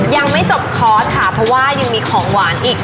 ยังไม่จบคอร์สค่ะเพราะว่ายังมีของหวานอีก